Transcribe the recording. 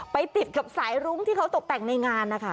ไปติดกับสายรุ้งที่เขาตกแต่งในงานนะคะ